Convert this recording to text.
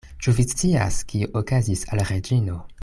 Ĉu vi scias, kio okazis al Reĝino?